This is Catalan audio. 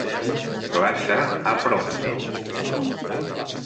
glaça a Prompton